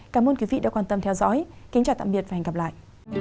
cảm ơn quý vị đã quan tâm theo dõi kính chào tạm biệt và hẹn gặp lại